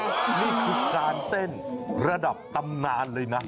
นี่คือการเต้นระดับตำนานเลยนะ